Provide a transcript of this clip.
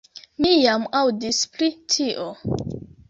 Mi jam aŭdis pri tio.